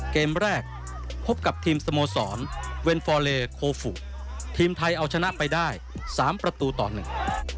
เกมแรกพบกับทีมสโมสรเวนฟอร์เลโคฟูทีมไทยเอาชนะไปได้สามประตูต่อหนึ่ง